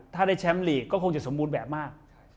ถ้าได้แชมป์ลีกก็คงจะสมบูรณ์แบบมาก